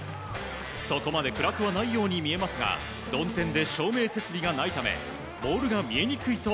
そこまで暗くはないように見えますが曇天で照明設備がないためボールが見えにくいと